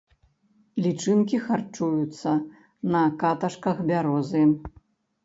Лічынкі харчуюцца на каташках бярозы.